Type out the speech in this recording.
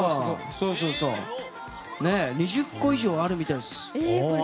２０個以上あるみたいで。